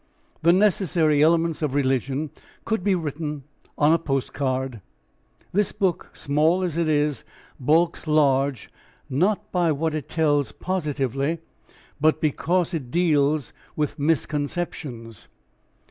The necessary elements of religion could be written on a post card; this book, small as it is, bulks large not by what it tells positively but because it deals with misconceptions.